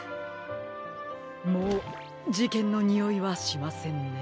もうじけんのにおいはしませんね。